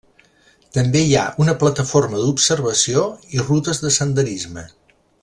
També hi ha una plataforma d'observació i rutes de senderisme.